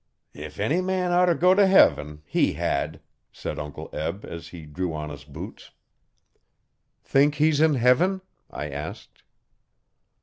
'If any man oughter go t' Heaven, he had,' said Uncle Eb, as he drew on his boots. 'Think he's in Heaven?' I asked.